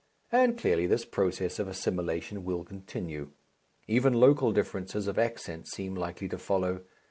And clearly this process of assimilation will continue. Even local differences of accent seem likely to follow.